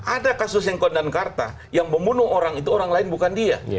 ada kasus sengkon dan karta yang membunuh orang itu orang lain bukan dia